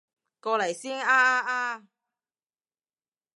過嚟先啊啊啊